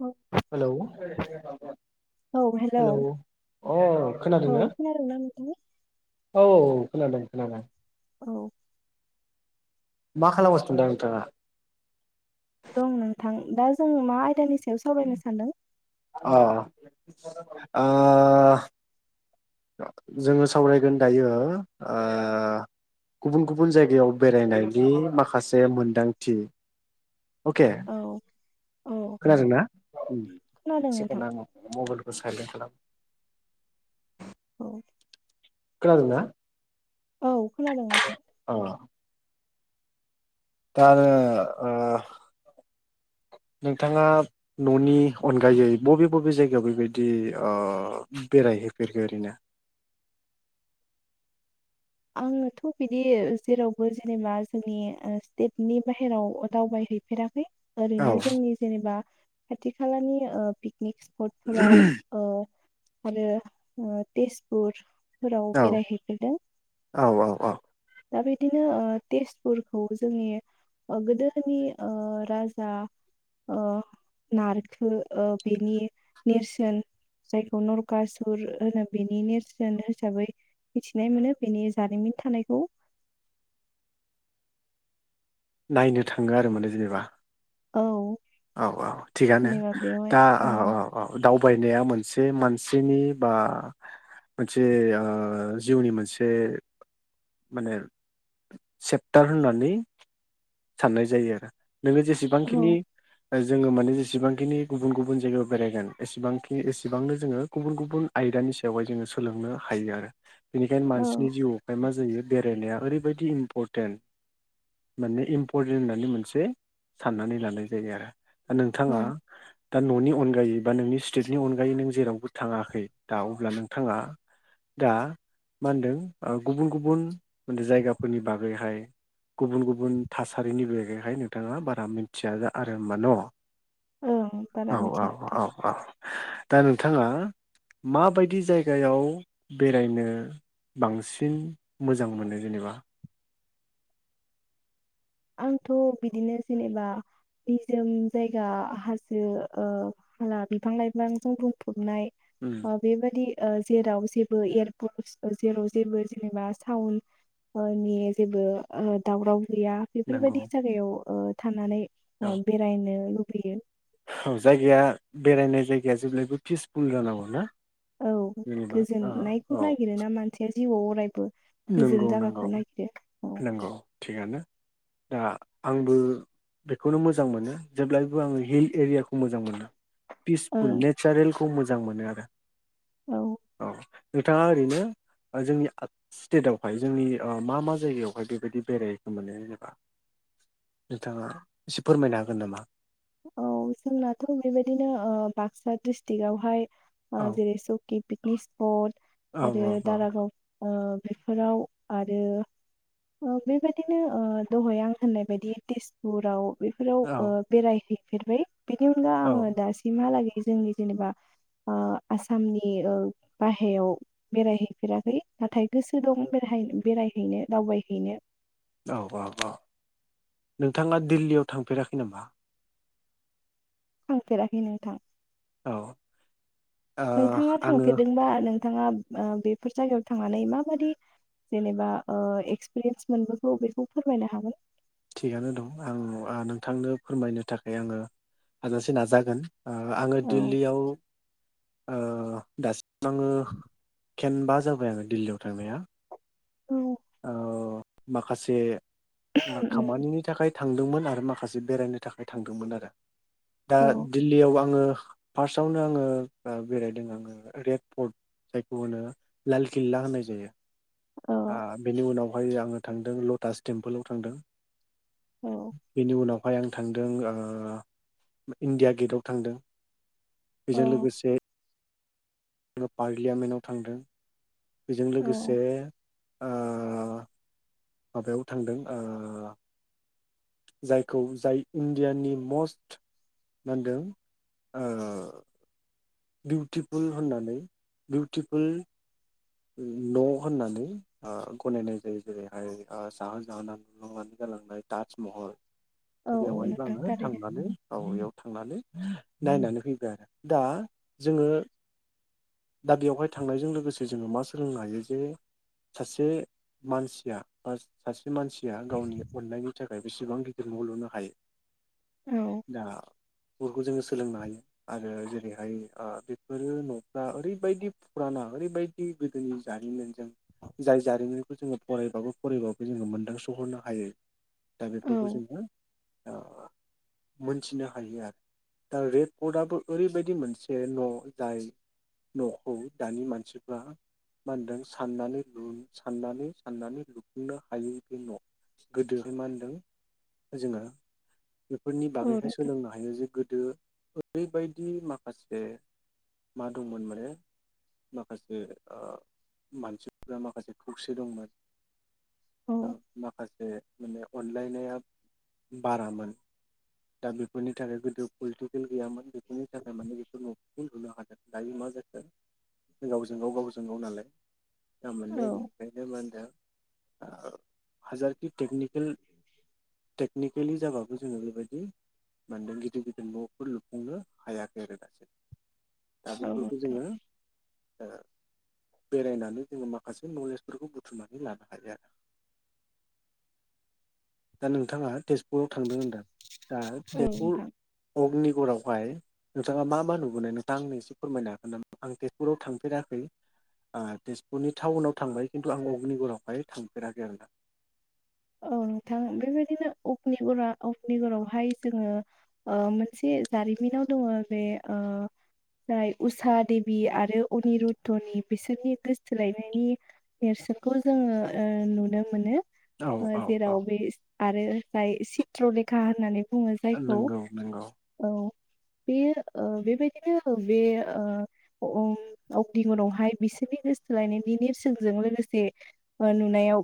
औ hello hello अ औ खोनादोंना? खोनादोंना नोंथां? औ खोनादों खोनादों औ मा खालामगासिनो दं दा नोंथाङा? दं नोंथां दा जों मा आयदानि सायाव सावरायनो सानदों? अ ओ जोङो सावरायगोन दायो ओ गुबुन गुबुन जायगायाव बेरायनायनि माखासे मोनदांथि। अके औ औ खोनादोंना आं खोनादों नोंथां मबाइल साइलेड खालामनो औ खोनादों ना? औ खोनादों नोंथां। दा ओ नोंथाङा न'नि अनगायै बबे बबे जायगायाव बेबायदि ओ बेरायहैफेरखो ओरैनो? आङोथ' बिदि जेरावबो जेनेबा जोंनि ओ स्टेटनि बाहेराव दावबाय हैफेराखै। औ ओरैनो जोंनि जेनेबा खाथि खालानि ओ पि कनिक स्पटफोराव ओ आरो ओ तेजपुर फोराव औ बेरायहैफेरदों। औ औ औ दा बिदिनो ओ तेजपुरखौ जोंनि ओ गोदोनि राजा ओ नारखो बेनि नेरसोन जायखौ नरकासुर होनो बेनि नेरसोन हिसाबै मिथिनाय मोनो। बेनि जारिमिन थानायखौ नायनो थाङो आरो माने जेनेबा औ औ औ थिगानो जेनेबा बेवहाय दा औ औ औ दाव बायनाया मोनसे मानसिनि बा मोनसे ओ जिउनि मोनसे माने सेपटार होननानै साननाय जायो आरो। नोङो औ जेसेबांखिनि जोंङो माने जेसेबांखिनि गुबुन-गुबुन जायगायाव बेरायगोन एसेबांखि एसेबांनो जोंङो गुबुन-गुबुन आयदानि सायावहाय जोंङो सोलोंनो हायो आरो। बेनिखायनो औ मानसिनि जिउआवहाय मा जायो बेरायनाया ओरै बायदि इमपरटेन्ट माने इमपरटेन्ट होननानै मोनसे साननानै लानाय जायो आरो। दा औ नोंथाङा दा न'नि अनगायै बा नोंनि स्टेटनि अनगायै नों जेरावबो थाङाखै दा अब्ला नोंथाङा दा मा होनदों ओ गुबुन गुबुने जायगाफोरनि बागैहाय गुबुन गुबुन थासारिनि बागैहाय नोंथाङा बारा मिथिया आरो। होनबा न' ओं बारा औ औ मिथिया नोंथां औ औ दा नोंथाङा माबायदि जायगायाव बेरायनो बांसिन मोजां मोनो जेनेबा आं थ बिदिनो जेनेबा निजोम जायगा हाजो ओ हाला बिफां लाइफांजों बुंफ नाय उम ओ बेबायदि ओ जेराव जेबो एयारपलस जेराव जेबो जेनेबा साउन्द ओनि जेबो दावराव गैया नंगौ बेफोरबायदि जागायाव ओ थांनानै औ अ बेरायनो लु बोयो औ जायगाया बेरायनाय जायगाया जेब्लायबो पिसफुल जानांगौ ना औ जेनेबा औ गोजोननायखौ औ नागिरोना मानसिया जिउआव अरायबो गोजोन नंगौ नंगौ जायगाखौ नागिरो औ नंगौ थिगानो दा आंबो बेखौनो मोजां मोनो जेब्लायबो आंङो हिल एरियाखौ मोजां मोनो पिसफुल नेचारेलखौ मो जां मोनो आरो। औ नोंथाङा ओरैनो ओ जोंनि स्टेटआवहाय जोंनि ओ मा मा जायगायावहाय बेबायदि बेरायखौ मोनो जेनेबा नोंथाङा एसे फोरमायनो हागोन नामा। औ जोंनाथ बेबायदिनो ओ बाक्सा डिस्ट्रिकावहाय ओ औ जेरै सुकि पिकनिक औ स्पट आरो औ औ दारागाव ओ बेफोराव आरो ओ बेबायदिनो ओ दहाय आं होननाय बायदि तेजपुराव बेफोराव औ ओ बेरायहै फेरबाय बिनि अनगा आङो औ दासिमहालागै जोंनि जेनेबा ओ आसामनि ओ बायहरायाव बेरायहैफेराखै नाथाय गोसो दं बेराय बेरायहैनो दावबायहैनो औ औ औ नोंथाङा दिल्लीयाव थांफेराखै नामा? थांफेराखै नोंथां औ ओ नोंथाङा आङो थांफेरदोंबा नों नोंथाङा ओ बेफोर जायगायाव थांनानै माबादि जेनेबा ओ एक्सपिरियेन्स मोनबोगौ बेखौ फोरमायनो हागोन थिगानो दं ओ आं नोंथांनो फोरमायनो थाखाय आङो हाजासे नाजागोन ओ आङो औ दिल्लीयाव ओ दासिम आङो खेनबा जाबाय आङो दिल्लीयाव थांनाया उम, औ माखासे उम, खामानिनि थाखाय थांदोंमोन आरो माखासे बेरायनो थाखाय थांदोंमोन आरो दा औ दिल्लीयाव आंङो फार्स्टआवनो आङो बेरायदों आङो रेड फर्ट जायखौ होनो लाल किल्ला होननाय जायो। औ आ बेनि उनाव बेवहाय आङो थांदों लटास टेम्पोलाव थांदों औ बेनि उनाव बेहाय आं थांदों आ इण्डिया गेटाव थांदों औ बेजों लोगोसे पार्लियामेन्टाव थांदों बेजों लोगोसे औ ओ ओ माबायाव थांदों ओ जायखौ जाय इण्डियानि मस्ट मानदों ओ बिउटिफुल होननानै बिउटिफुल न' होननानै आ गनायनाय जायो जेरैहाय आ जाहोन जाहोना नुनानै गालांनाय ताज महल औ बेवहायबो नोंथां आङो थारैनो थांनानै बाव इयाव थांनानै नायनानै फैबाय आरो दा जोङो दा बेवहाय थांनायजों लोगोसे जोङो मा सोलोंनो हायो जे सासे मानसिया बा सासे मानसिया गावनि अननायनि थाखाय बेसेबां गिदिर न' लुनो हायो औ दा फोखौ जोङो सोलोंनो हायो आरो जेरैहाय आ बेफोरो न' आ ओरैबायदि फुराना ओरैबायदि गोदोनि जारिमिनजों जाय जारिमिनखौ जोङो फरायबाबो फरायबाबो जोङो मोनदांसोहरनो हायै दा औ बेफोरखौ जोङो आ मोनथिनो हायो आरो दा रेड कर्डआबो ओरैबायदि मोनसे न' जाय न'खौ दानि मानसिफ्रा मा होनदों साननानै लु साननानै साननानै लुफुंनो हायै बे न' गोदोहाय मा होनदों जोङो बेफोरनि औ बागैहाय नोंथां सोलोंनो हायो जे गोदो बैबायदि माखासे मा दंमोन माने माखासे आ मानसिफ्रा माखासे खौसे दंमोन। औ आ माखासे माने अनलायनाया बारामोन दा बेफोरनि थाखाय गोदो पलिटिकेल गैयामोन बेफोरनि थाखाय माने बेखौ न'खौनो लुनो हादों। दायो मा जाखो गावजों गाव गावजों गाव नालाय ना मोन्दों इंखायनो मा होन्दों आ हाजार खि तेकनिकेल तेकनिकेलि जाबो जोङो बेबायदि मानदों गिदिर गिदिर न'फोर लुफुंनो हायाखै आरो दासिम दा औ बेफोरखौ जोङो ओ बेरायनानै जोङो माखासे नलेजफोरखौ बुथुमनानै लानो हायो। दा नोंथाङा तेजपुराव थांदों होनदों दा औ तेजपुर नोंथां अग्निगरआव हाय नोंथाङा मा मा नुबोनाय नों दा आंनो एसे फोरमायनो हागोन नामा आं तेजपुराव थांफेराखै ओ तेजपुरनि टाउनाव थांबाय खिन्थु आं अगनिगुरावहाय थांफेराखै आरोना औ नोंथां बेबायदिनो अग्निगरा अग्निगरावहाय जोङो मोनसे जारिमिनाव दङ बे जाय उषा देबि आरो अनिरुद्धनि बिसोरनि गोसोथोलायनायनि नेरसोनखौ जोङो नुनो मोनो औ ओ औ जेराव बे आरो जाय चित्र लेखा होननानै बु बुङो औ जायखौ नंगौ नंगौ औ बेयो ओ बेबायदिनो बे ओम अग्दिगरावहाय बिसोरनि गोसोथोलायनायनि नेरसोनजों लोगोसे नुनायाव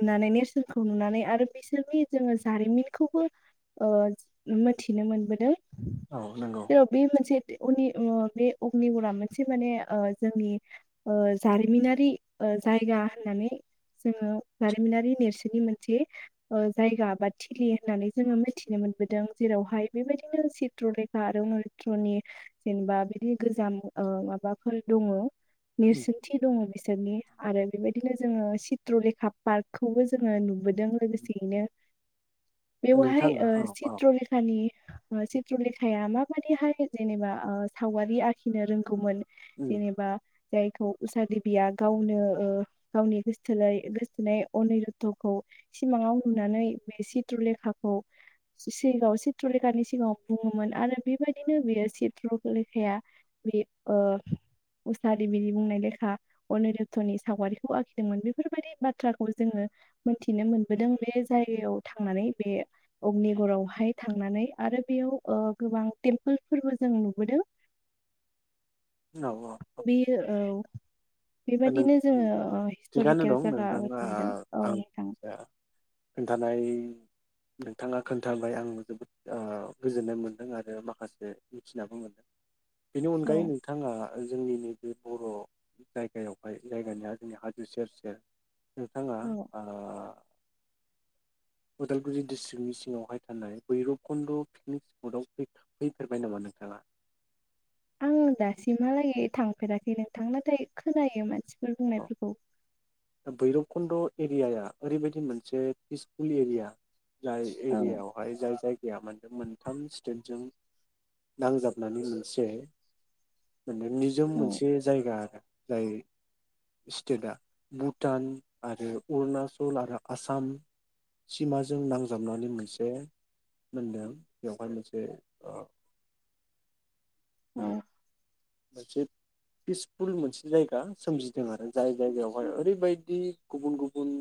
नुनानै नेरसोनखौ नुनानै आरो बिसोरनि जोङो जारिमिनखौबो ओ मोथिनो मोनबोदों औ नंगौ जेराव बे मोनसे बे अनि अ अग्निगरा मोनसे माने जोंनि ओ जारिमिनारि जायगा होननानै जोङो जारिमिनारि नेरसोननि मोनसे ओ जायगा बा थिलि होननानै जोङो मिथिनो मोनबोदों जेरावहाय बेबायदिनो चित्रलेखा आरो अनिरुत्रनि जेनेबा बिदि गोजाम माबाफोर दङ नेरसोनथि दङ बिस बिसोरनि आरो बेबायदिनो जोङो चित्र लेखा पार्कखौबो जोङो नुबोदों लोगोसेयैनो बेवहाय नोंथाङा ओ औ औ चित्रलेखानि चित्रलेखाया मा पा मादिहाय जेनेबा ओ सावगारि आखिनो रोंगौमोन उम जेनेबा जायखौ उषा देबिया गावनो ओ गावनि गोसोथोलाय गोसो नाय अनिरुधखौ सिमाङाव नुनानै बे चित्र लेखाखौ सिगाङाव चित्र लेखानि सिगाङाव बुङोमोन आरो बेबायदिनो बेयो चित्र लेखाया बे ओ उसा देबिनि बुंनाय लेखा अनिरुघनि सावगारिखौ आखिदोंमोन बेफोरबायदि बाथ्रा थ्राखौ जोङो मोनथिनो मोनबोदों बे जायगायाव थांनानै बे अग्निगरावहाय थांनानै आरो बेयाव ओ गोबां टेम्पोलफोरबो जों नुबोदों औ औ औ बेयो‌ औ दा नों बेबायदिनो जोङो ओ हिस्टरिकेल जागा आ आं [unintelligible] खोन्थानाय नोंथाङा खोन्थाबाय आं जोबोद ओ गोजोननाय मोनदों आरो माखासे मिथिनाबो मोनदों। बेनि अनगायै औ नोंथाङा जोंनि नैबे बर' जाय गायावहाय जायगानिया जोंनि हाजो सेर सेर नोंथाङा औ ओ उदालगुरि डिस्ट्रिक्टनि सिङावहाय थानाय भैरबकुन्द पिकनिक स्पटआव फैफेरबाय नामा नोंथाङा? आङो दासिमहालागै थांफेराखै नोंथां नाथाय खोनायो मानसिफोर बुंनायफोरखौ। बैरबकुन्द एरियाया ओरैबायदि मोनसे पिसफुल एरिया। जाय औ एरियायावहाय जाय जाय या मोनथाम स्टेटजों नांजाबनानै मोनसे माने निजोम औ मोनसे जायगा आरो। जाय स्टेटआ भुटान आरो अरुणाचल आरो आसाम सिमाजों नांजाबनानै मोनसे मोनदों बेवहाय मोनसे ओ औ दा। पिसफुल मोनसे जायगा सोमजिदों आरो जाय जायगायावहाय ओरैबायदि गुबुन गुबुन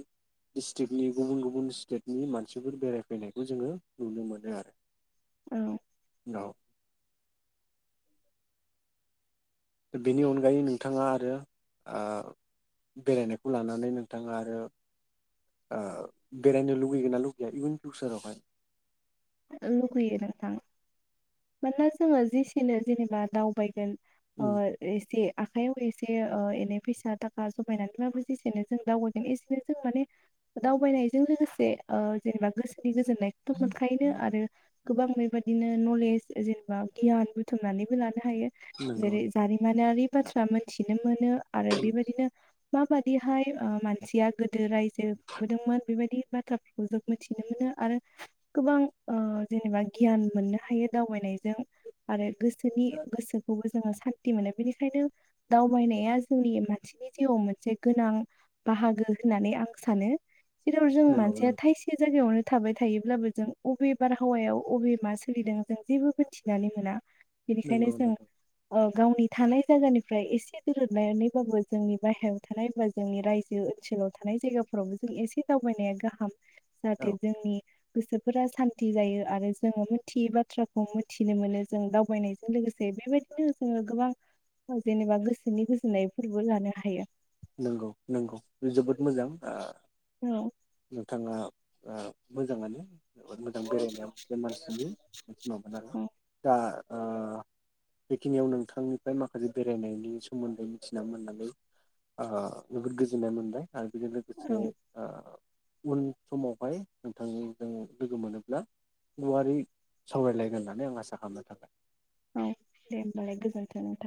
डिस्ट्रिकनि गुबुन गुबुन स्टेटनि मानसिफोर बेरायफैनायखौ जोङो नुनो मोनो आरो। औ। उनाव बेनि अनगायै नोंथाङा आरो ओ बेरायनायखौ लानानै नोंथाङा आरो ओ बेरायनो लुगैगोनना लुगैया इयुन फिउचारावहाय। लुुबैयो नोंथां मानोना जोङो जेसेनो जेनेबा दावबायगोन। अ उम एसे। आखाइयाव एसे ओ एनै फैसा थाखा जमायनानैबाबो जेसेनो जों दावबायोन एसेनो जों माने दावबायनायजों लोगोसे ओ जेनेबा गोसो गोजोननायखौथ'। बेनो आरो। गोबां बेबायदिनो नलेज जेनेबा गियान बुथुमनानैबो लानो। हायो नंगौ जेरै जारिमिनारि। बाथ्रा मोनथिनो मोनो। आरो बेबायदिनो। माबादिहाय ओ मानसिया गोदो रायजो खुंबोदोंमोन बेबायदि बाथ्राफोरखौ जों मिथिनो मोनो आरो। गोबां ओ जेनेबा गियान मोननो हायो दावबायनायजों आरो। गोसोनि गोसोखौबो। जोङो सान्थि मोनो बेनिखायनो दावबायनाया जोंनि मानसिनि जिउआव मोनसे गोनां बाहागो होननानै आं सानो। जेराव जों नंगौ मानसिया थायसे जायगायावनो। थाबाय थायोब्लाबो। जों अबे बारहावायाव अबे मा सोलिदों जों जेबो मोनथिनानै मोना। बिनिखायनो नंगौ नंगौ जों गावनि थानाय जायगानिफ्राय एसे दोरदनानैबाबो जोंनि बाहेरायाव थानाय बा जोंनि रायजो ओनसोलाव थानाय जायगाफोरावबो जों एसे दावबायनाया गाहाम। औ जाहाथे जोंनि गोसोफोरा सान्थि जायो आरो जोङो मिथियै बाथ्राखौ मिथिनो मोनो जों दावबायनायजों लोगोसे बेबायदिनो जोङो गोबां जेनेबा गोसोनि गोजोननायफोरबो लानो हायो। नंगौ नंगौ जोबोद मोजां। औ नोंथाङा मोजाङानो मोजां बेरायनायाे मानसिनि [unintelligible] औ दा ओ बेखिनियाव नोंथांनिफ्राय माखासे बेरायनायनि सोमोन्दै मिथिना मोननानै ओं जोबोद गोजोनाय मोनबाय आरो बेजों लोगोसे ओ उन समावहाय नोंथांजों लोगो मोनोब्ला गुवारै सावरायलायगोन होननानै आं आसा खालामनो थाबाय। औ दे होमबालाय गोजोन्थों नोंथां।